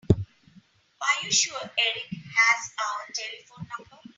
Are you sure Erik has our telephone number?